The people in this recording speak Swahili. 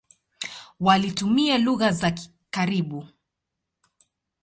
Walitumia lugha za karibu.